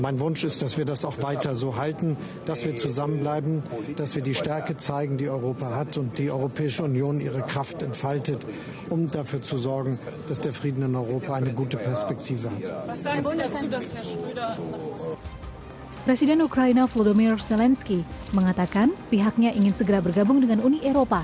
mengatakan pihaknya ingin segera bergabung dengan uni eropa